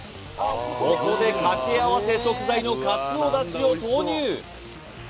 ここで掛け合わせ食材のかつおだしを投入